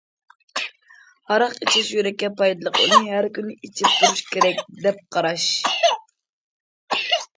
ھاراق ئىچىش يۈرەككە پايدىلىق، ئۇنى ھەر كۈنى ئىچىپ تۇرۇش كېرەك، دەپ قاراش.